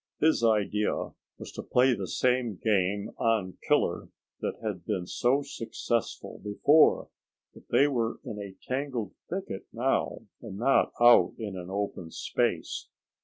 His idea was to play the same game on Killer that had been so successful before but they were in a tangled thicket now, and not out in an open space.